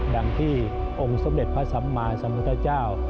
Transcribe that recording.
ดังที่องค์สมเด็จพระสัมมาสัมพุทธเจ้า